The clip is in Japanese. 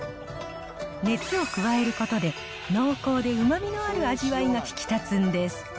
熱を加えることで、濃厚でうまみのある味わいが引き立つんです。